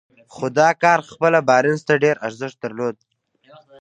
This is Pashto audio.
خو دا کار خپله بارنس ته ډېر ارزښت درلود.